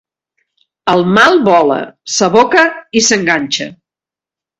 El mal vola, s'aboca i s'enganxa.